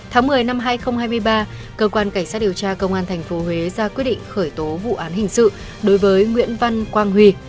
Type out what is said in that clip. tháng một mươi năm hai nghìn hai mươi ba cơ quan cảnh sát điều tra công an tp huế ra quyết định khởi tố vụ án hình sự đối với nguyễn văn quang huy